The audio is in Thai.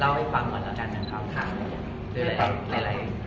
หมอบก่อนก่อนนะครับว่าจริงแล้วก็ต้องต้นสอบแสว่งนะครับ